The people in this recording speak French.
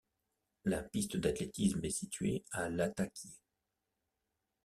La piste d'athlétisme est située à Lattaquié.